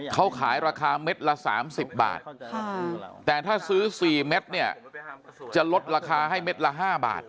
เขาขายราคาเม็ดละ๓๐บาทแต่ถ้าซื้อ๔เม็ดเนี่ยจะลดราคาให้เม็ดละ๕บาท